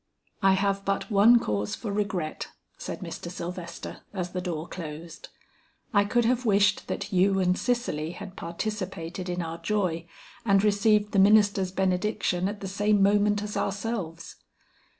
"I have but one cause for regret," said Mr. Sylvester as the door closed. "I could have wished that you and Cicely had participated in our joy and received the minister's benediction at the same moment as ourselves."